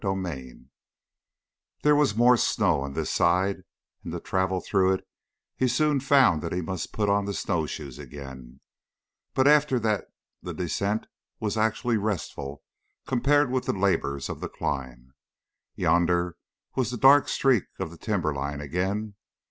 CHAPTER 5 There was more snow on this side, and to travel through it he soon found that he must put on the snowshoes again; but after that the descent was actually restful compared with the labors of the climb. Yonder was the dark streak of the timberline again.